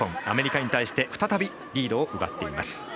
アメリカに対して再びリードを奪っています。